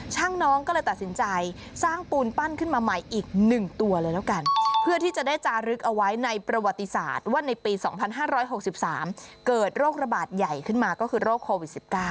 น้องก็เลยตัดสินใจสร้างปูนปั้นขึ้นมาใหม่อีก๑ตัวเลยแล้วกันเพื่อที่จะได้จารึกเอาไว้ในประวัติศาสตร์ว่าในปี๒๕๖๓เกิดโรคระบาดใหญ่ขึ้นมาก็คือโรคโควิด๑๙